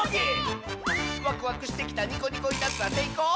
「ワクワクしてきたニコニコいたずら」「せいこう？